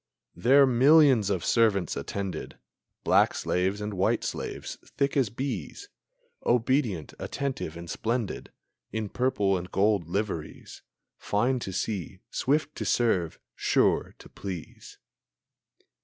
There millions of servants attended, Black slaves and white slaves, thick as bees, Obedient, attentive, and splendid In purple and gold liveries, Fine to see, swift to serve, sure to please!